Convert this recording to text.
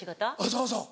そうそう。